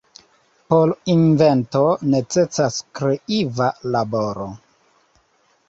Por invento necesas kreiva laboro.